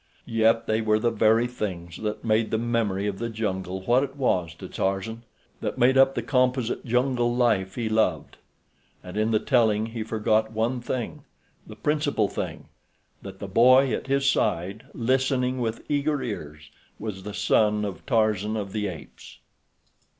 Yet they were the very things that made the memory of the jungle what it was to Tarzan—that made up the composite jungle life he loved. And in the telling he forgot one thing—the principal thing—that the boy at his side, listening with eager ears, was the son of Tarzan of the Apes.